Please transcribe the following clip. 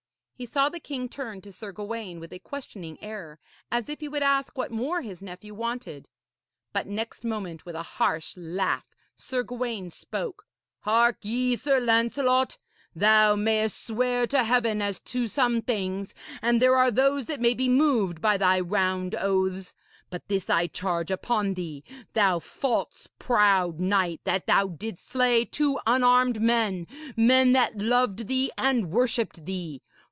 He saw the king turn to Sir Gawaine with a questioning air, as if he would ask what more his nephew wanted. But next moment, with a harsh laugh, Sir Gawaine spoke. 'Hark ye, Sir Lancelot, thou mayest swear to Heaven as to some things, and there are those that may be moved by thy round oaths. But this I charge upon thee, thou false, proud knight, that thou didst slay two unarmed men men that loved thee and worshipped thee!